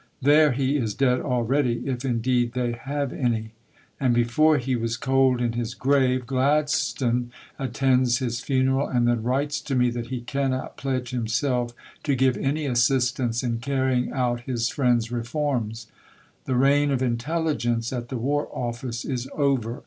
There he is dead already, if indeed they have any. And before he was cold in his grave, Gladstone attends his funeral and then writes to me that he cannot pledge himself to give any assistance in carrying out his friend's reforms. The reign of intelligence at the War Office is over.